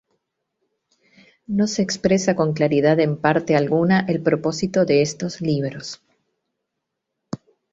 No se expresa con claridad en parte alguna el propósito de estos libros.